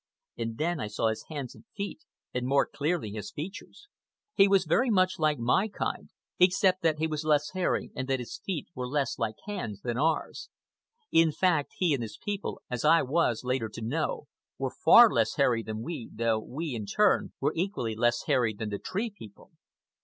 And then I saw his hands and feet, and more clearly his features. He was very much like my kind, except that he was less hairy and that his feet were less like hands than ours. In fact, he and his people, as I was later to know, were far less hairy than we, though we, in turn, were equally less hairy than the Tree People.